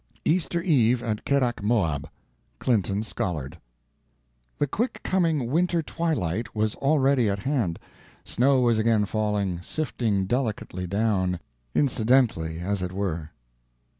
"Easter Eve at Kerak Moab."—Clinton Scollard. The quick coming winter twilight was already at hand. Snow was again falling, sifting delicately down, incidentally as it were.